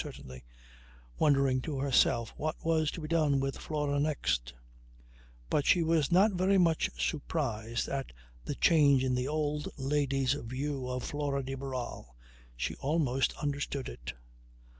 Certainly," wondering to herself what was to be done with Flora next; but she was not very much surprised at the change in the old lady's view of Flora de Barral. She almost understood it.